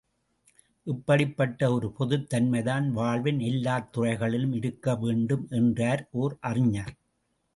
இப்படிப்பட்ட ஒரு பொதுத் தன்மைதான் வாழ்வின் எல்லாத் துறைகளிலும் இருக்க வேண்டும் என்றார் ஓர் அறிஞர்.